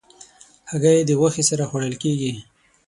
هګۍ د غوښې سره خوړل کېږي.